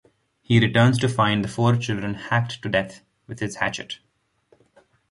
He returns to find the four children hacked to death with his hatchet.